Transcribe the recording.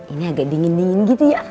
ini agak dingin dingin gitu ya